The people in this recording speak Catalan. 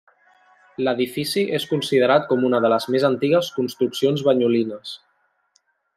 L'edifici és considerat com una de les més antigues construccions banyolines.